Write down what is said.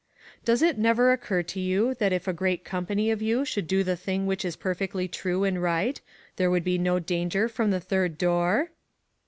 Does it never occur to you that if a great company of you should do the thing which is perfectly true and right, there would be no danger from the third door?"